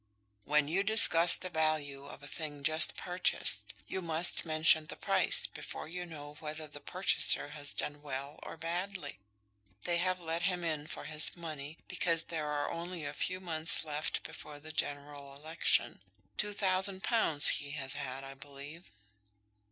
"When you discuss the value of a thing just purchased, you must mention the price before you know whether the purchaser has done well or badly. They have let him in for his money because there are only a few months left before the general election. Two thousand pounds he has had, I believe?"